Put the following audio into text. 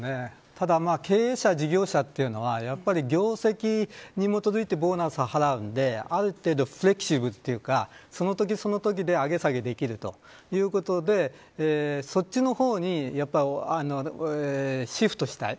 ただ、経営者事業者というのは業績に基づいてボーナスを払うのである程度フレキシブルというかそのときそのときだけ上げ下げできるということでそっちの方にシフトしたい。